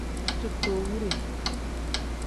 Ditootowure.